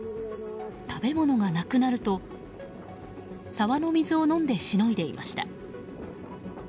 食べ物がなくなると沢の水を飲んでしのいでいました。